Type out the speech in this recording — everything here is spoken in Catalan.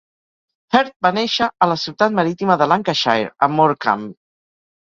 Hird va néixer a la ciutat marítima de Lancashire, a Morecambe.